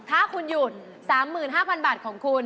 ถ้าคุณหยุด๓๕๐๐บาทของคุณ